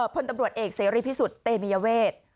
พลตำรวจเอกเสรีพิสุทธิ์เตมียเวท